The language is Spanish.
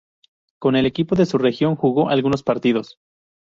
Con el equipo de su región, jugó algunos partidos.